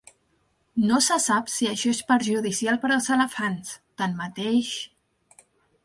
No se sap si això és perjudicial per als elefants; tanmateix...